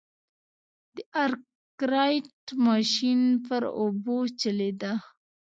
د ارکرایټ ماشین پر اوبو چلېده.